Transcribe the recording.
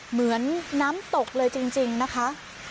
เหมือนน้ำตกเลยจริงนะคะ